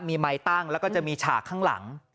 มีไมค์ตั้งแล้วก็จะมีฉากข้างหลัง